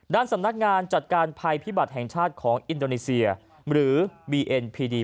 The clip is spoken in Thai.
ด้านสำนักงานจัดการภัยพิบัติแห่งชาติของอินโดนีเซียหรือบีเอ็นพีดี